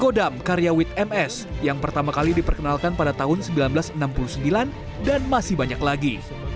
godam karyawit ms yang pertama kali diperkenalkan pada tahun seribu sembilan ratus enam puluh sembilan dan masih banyak lagi